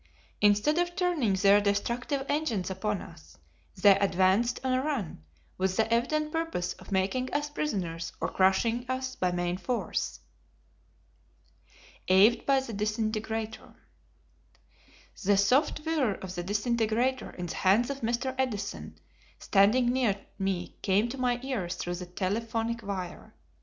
Instead of turning their destructive engines upon us, they advanced on a run, with the evident purpose of making us prisoners or crushing us by main force. Awed by the Disintegrator. The soft whirr of the disintegrator in the hands of Mr. Edison standing near me came to my ears through the telephonic wire.